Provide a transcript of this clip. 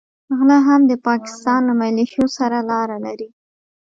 غله هم د پاکستان له مليشو سره لاره لري.